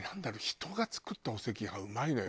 人が作ったお赤飯うまいのよ。